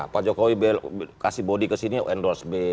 pak jokowi kasih bodi ke sini endorse b